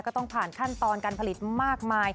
ก็ต้องผ่านขั้นตอนการผลิตมากมาย